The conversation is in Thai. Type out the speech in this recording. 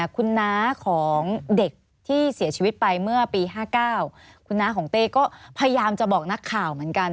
คุณน้าของเด็กที่เสียชีวิตไปเมื่อปี๕๙คุณน้าของเต้ก็พยายามจะบอกนักข่าวเหมือนกัน